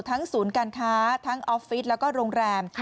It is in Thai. ศูนย์การค้าทั้งออฟฟิศแล้วก็โรงแรม